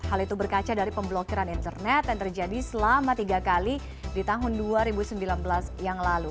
hal itu berkaca dari pemblokiran internet yang terjadi selama tiga kali di tahun dua ribu sembilan belas yang lalu